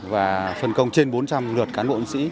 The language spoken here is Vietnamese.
và phân công trên bốn trăm linh lượt cán bộ sĩ